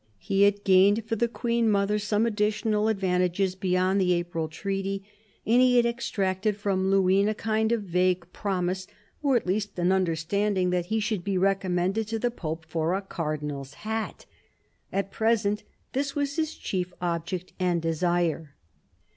He had gained for the Queen mother some additional advantages beyond the April treaty, and he had extracted from Luynes a kind of vague promise, or at least an understanding, that he should be recommended to the Pope for a Cardinal's Hat. At present this was his chief object and desire.